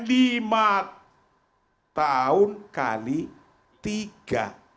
lima tahun kali tiga